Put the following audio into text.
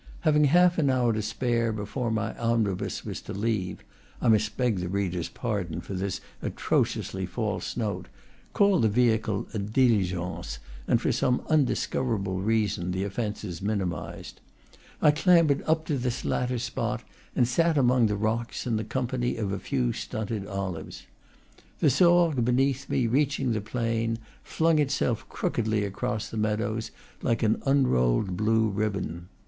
Having half an hour to spare before my omnibus was to leave (I must beg the reader's pardon for this atrociously false note; call the vehicle a dili gence, and for some undiscoverable reason the offence is minimized), I clambered up to this latter spot, and sat among the rocks in the company of a few stunted olives. The Sorgues, beneath me, reaching the plain, flung itself crookedly across the meadows, like an un rolled blue ribbon.